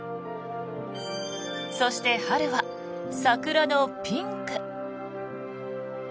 そして、春は桜のピンク。